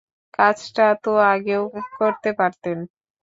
কাজটা তো আগেও করতে পারতেন।